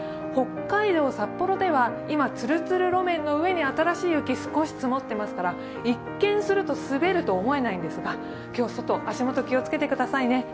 北海道・札幌では今ツルツル路面の上に新しい雪が少し積もってますから、一見すると滑ると思えないんですが、今日は外足元に気をつけてくださいね。